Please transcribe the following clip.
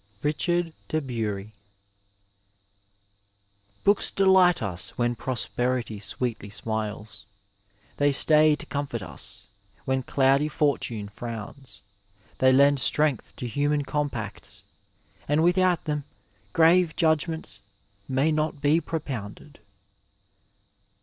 RiGHASD DB BuBY, PhUcbtUon, Grolicr Club Edition, vol. ii. p. 22 Books delight us when prosperity sweetly smiles ; they stay to comfort us when cloudy fortune frowns. They lend strength to human compacts, and without them grave judgments may not be propounded.